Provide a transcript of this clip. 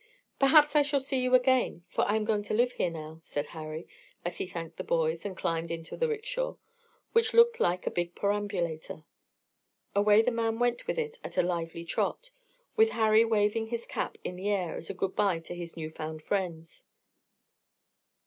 "Perhaps I shall see you again, for I am going to live here now," said Harry, as he thanked the boys and climbed into the "rickshaw," which looked like a big perambulator. Away the man went with it at a lively trot, with Harry waving his cap in the air as a good bye to his new found friends.